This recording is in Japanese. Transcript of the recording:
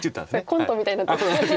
コントみたいになってます。